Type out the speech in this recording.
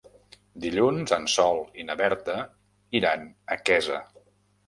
Dilluns en Sol i na Berta iran a Quesa.